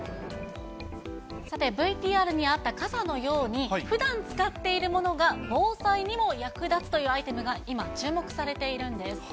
さて、ＶＴＲにあった傘のように、ふだん使っているものが防災にも役立つというアイテムが今、注目されているんです。